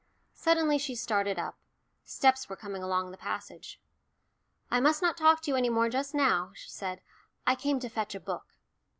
Suddenly she started up steps were coming along the passage. "I must not talk to you any more just now," she said, "I came to fetch a book."